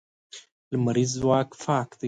لمریز ځواک پاک دی.